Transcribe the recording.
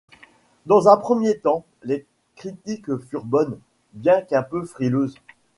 Dans un premier temps, les critiques furent bonnes, bien qu'un peu frileuses.